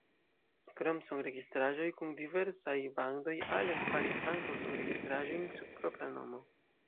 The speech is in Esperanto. Krom sonregistraĵoj kun diversaj bandoj Allen faris ankaŭ sonregistraĵojn sub propra nomo.